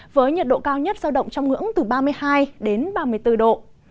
với nhiệt độ cao nhất giao động trong ngưỡng từ ba mươi hai đến ba mươi bốn độ